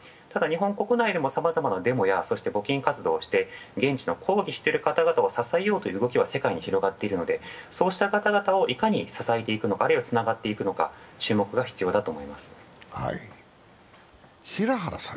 ただ、日本国内でもさまざまなデモや募金活動をして現地の抗議している方々を支えようという動きは世界に広がっているので、そうした方々をいかに支えていくのか、あるいはつながっていくのか、注目が必要だと思います。